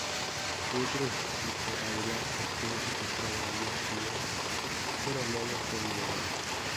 Su otro hijo, Adrián, estuvo secuestrado diez días pero luego fue liberado.